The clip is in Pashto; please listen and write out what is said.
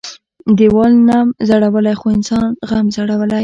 ديوال نم زړوى خو انسان غم زړوى.